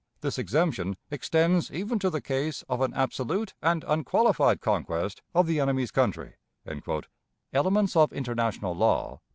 This exemption extends even to the case of an absolute and unqualified conquest of the enemy's country," ("Elements of International Law," p.